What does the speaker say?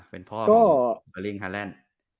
เป็นพ่อเบอร์ลิ่งฮาร์แลนด์